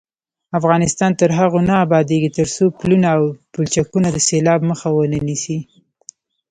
افغانستان تر هغو نه ابادیږي، ترڅو پلونه او پلچکونه د سیلاب مخه ونه نیسي.